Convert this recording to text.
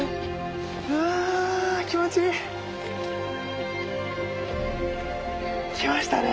うわ気持ちいい！来ましたね！